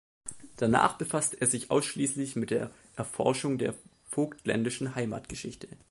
Danach befasste er sich ausschließlich mit der Erforschung der vogtländischen Heimatgeschichte.